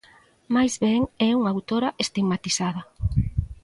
Máis ben é unha autora estigmatizada.